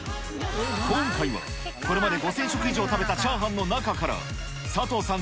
今回はこれまで５０００食以上食べたチャーハンの中から、佐藤さん